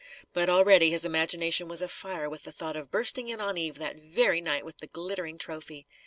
But, already, his imagination was afire with the thought of bursting in on Eve that very night, with the glittering trophy.